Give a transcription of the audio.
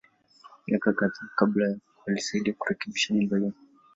Miaka kadhaa kabla, alisaidia kurekebisha nyumba hiyo.